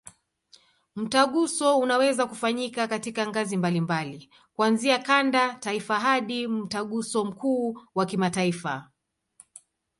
Mtaguso unaweza kufanyika katika ngazi mbalimbali, kuanzia kanda, taifa hadi Mtaguso mkuu wa kimataifa.